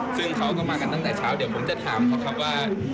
ซึ่งเขาก็มากันตั้งแต่เช้าเดี๋ยวผมจะถามเขาครับว่า